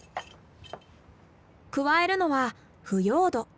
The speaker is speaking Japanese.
加えるのは腐葉土。